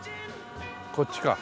こっちか？